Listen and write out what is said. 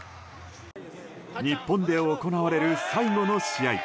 日本で行われる最後の試合。